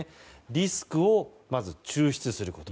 リスクを抽出すること。